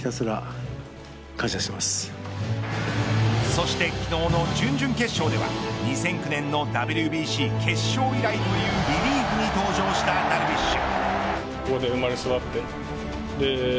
そして昨日の準々決勝では２００９年のＷＢＣ決勝以来というリリーフに登場したダルビッシュ。